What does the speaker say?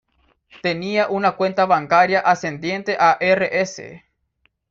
Tenía una cuenta bancaria ascendiente a Rs.